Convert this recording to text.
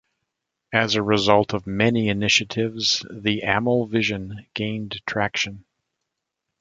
As a result of many initiatives the AmI vision gained traction.